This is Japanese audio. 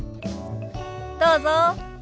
どうぞ。